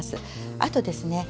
あとですね